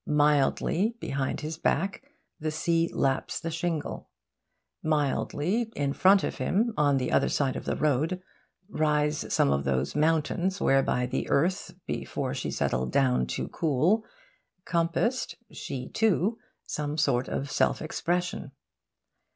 Mildly, behind his back, the sea laps the shingle. Mildly, in front of him, on the other side of the road, rise some of those mountains whereby the Earth, before she settled down to cool, compassed she, too some sort of self expression.